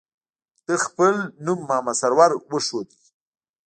ده خپل نوم محمد سرور وښوده.